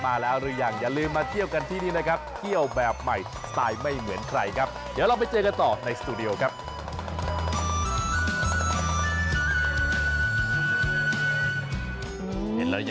เห็นแล้วยังนึกถึงอย่างนี้เลยเพราะว่าผมไปวันนั้นพอกลับมานั้นหนักขึ้นเลย